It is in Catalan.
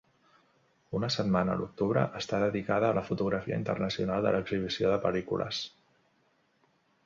Una setmana a l'octubre està dedicada a la fotografia internacional de l'exhibició de pel·lícules.